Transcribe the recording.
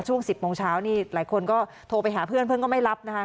ช่วง๑๐โมงเช้านี่หลายคนก็โทรไปหาเพื่อนเพื่อนก็ไม่รับนะคะ